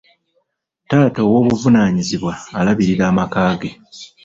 Taata ow'obuvunaanyizibwa alabirira amaka ge.